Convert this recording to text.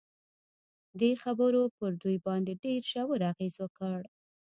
دې خبرو پر دوی باندې ډېر ژور اغېز وکړ